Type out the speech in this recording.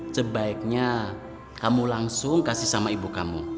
sebaiknya kamu langsung kasih sama ibu kamu